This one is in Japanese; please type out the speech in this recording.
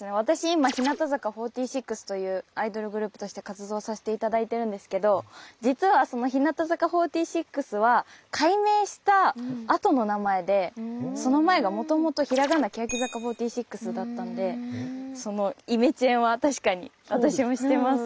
今「日向坂４６」というアイドルグループとして活動させて頂いてるんですけど実はその「日向坂４６」は改名した後の名前でその前がもともとひらがなけやき坂４６だったんでそのイメチェンは確かに私もしてます。